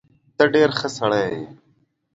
ته ډیر ښه سړی یې